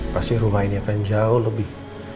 pasti rumah ini akan jauh lebih